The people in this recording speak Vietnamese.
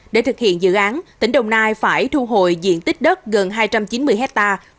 để thực hiện dự án tỉnh đồng nai phải thu hồi diện tích đất gần hai trăm chín mươi hectare